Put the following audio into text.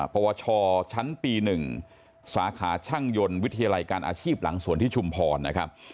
ปวชชั้นปี๑สาขาช่างยนต์วิทยาลัยการอาชีพหลังสวนที่ชุมพรนะครับ